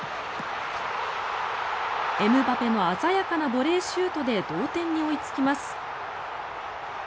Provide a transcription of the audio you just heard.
エムバペの鮮やかなボレーシュートで同点に追いつきます。